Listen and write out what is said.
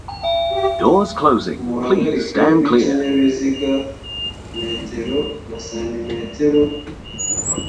ubuhagarike bw ikinyabiziga metero na santimetero